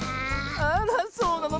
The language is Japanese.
あらそうなの？